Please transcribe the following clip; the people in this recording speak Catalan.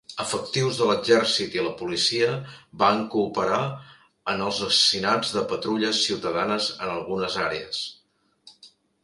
Efectius de l'exèrcit i la policia van cooperar en els assassinats de patrulles ciutadanes en algunes àrees.